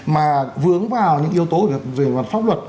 mà vướng vào những yếu tố về pháp luật